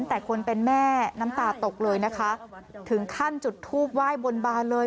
แต่คนเป็นแม่น้ำตาตกเลยนะคะถึงขั้นจุดทูบไหว้บนบานเลย